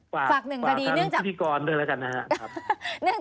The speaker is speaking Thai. ฝากทางที่พิกรด้วยละกันนะครับ